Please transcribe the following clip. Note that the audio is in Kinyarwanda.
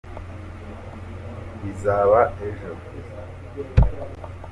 bizaba ejo.